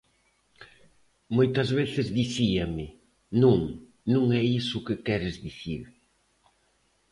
Moitas veces dicíame: Non, non é iso o que queres dicir.